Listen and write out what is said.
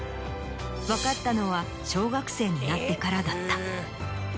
分かったのは小学生になってからだった。